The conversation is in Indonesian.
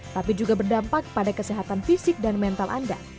tapi juga berdampak pada kesehatan fisik dan mental anda